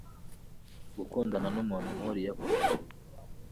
gukundana numuntu nkuriya kuko